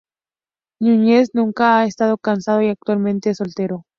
Nuñez nunca ha estado casado y actualmente es soltero.